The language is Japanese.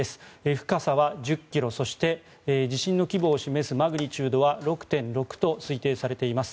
深さは１０ｋｍそして、地震の規模を示すマグニチュードは６．６と推定されています。